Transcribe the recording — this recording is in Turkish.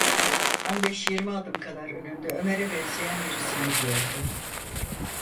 On beş yirmi adım kadar önünde Ömer’e benzeyen birisi gidiyordu.